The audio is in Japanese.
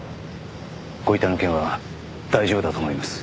ご遺体の件は大丈夫だと思います。